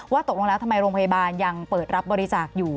ตกลงแล้วทำไมโรงพยาบาลยังเปิดรับบริจาคอยู่